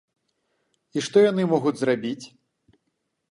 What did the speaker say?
І што яны могуць зрабіць?